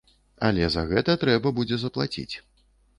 Але за гэта трэба будзе заплаціць.